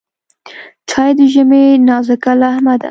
چای د ژمي نازکه لمحه ده.